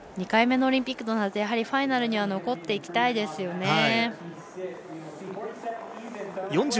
２回目のオリンピックとなるとファイナルには残っていきたいですよね。